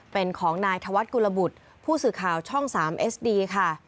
เป็นของนายธวัฒนกุลบุตรผู้สื่อข่าวช่อง๓เอสดีค่ะ